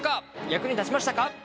役に立ちましたか？